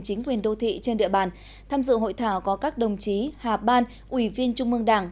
chính quyền đô thị trên địa bàn tham dự hội thảo có các đồng chí hà ban ủy viên trung mương đảng